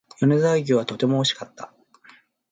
米沢牛はとても美味しかった